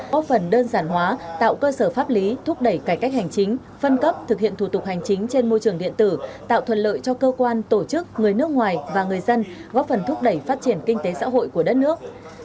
góp phần đơn giản hóa tạo cơ sở pháp lý thúc đẩy cải cách hành chính phân cấp thực hiện thủ tục hành chính trên môi trường điện tử tạo thuận lợi cho cơ quan tổ chức người nước ngoài và người dân góp phần thúc đẩy phát triển kinh tế xã hội của đất nước